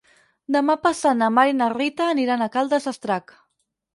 Demà passat na Mar i na Rita aniran a Caldes d'Estrac.